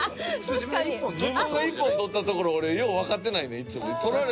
自分がＩＰＰＯＮ取ったところ俺よう分かってないねん。